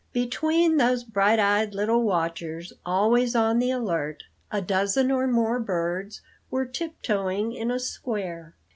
"Between these bright eyed little watchers, always on the alert, a dozen or more birds were tip toeing in a square.